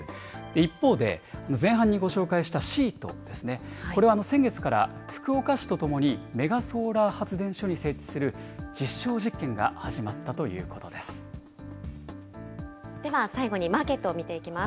一方で、前半にご紹介したシートですね、これは先月から福岡市とともにメガソーラー発電所に設置する実証では、最後にマーケットを見ていきます。